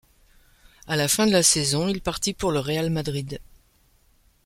À la fin de la saison, il partit pour le Real Madrid.